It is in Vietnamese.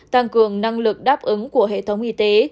tăng cường năng lực đáp ứng của hệ thống y tế